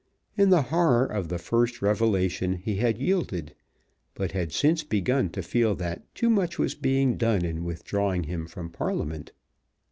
In the horror of the first revelation he had yielded, but had since begun to feel that too much was being done in withdrawing him from Parliament.